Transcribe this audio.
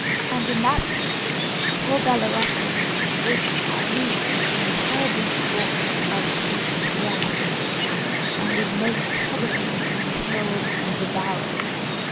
And in that case poor Bellerophon would at least have been terribly scorched by the creature's breath, and would most probably have been killed and devoured.